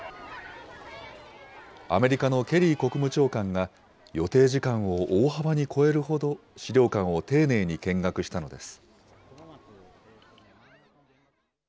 アメリカのケリー国務長官が、予定時間を大幅に超えるほど資料館を丁寧に見学したのです。